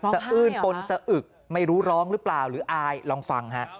อื้นปนสะอึกไม่รู้ร้องหรือเปล่าหรืออายลองฟังฮะ